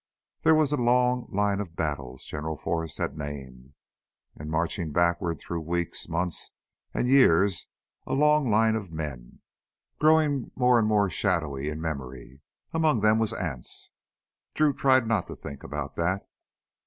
There was that long line of battles General Forrest had named.... And marching backward through weeks, months, and years a long line of men, growing more and more shadowy in memory. Among them was Anse Drew tried not to think about that.